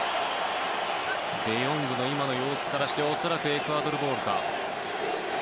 デヨングの様子からして恐らくエクアドルボールか。